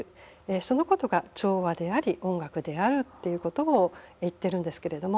そのことが調和であり音楽であるっていうことを言ってるんですけれども。